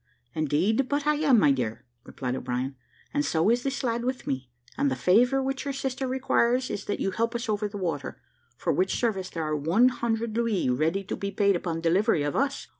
"Indeed, but I am, my dear," replied O'Brien; "and so is this lad with me; and the favour which your sister requires is that you help us over the water, for which service there are one hundred louis ready to be paid upon delivery of us."